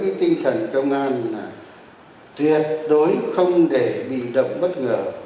và với cái tinh thần công an là tuyệt đối không để bị động bất ngờ